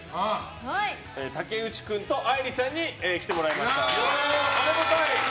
竹内君と愛梨さんに来ていただきました。